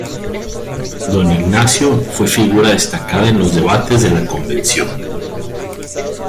Don Ignacio fue figura destacada en los debates de la Convención.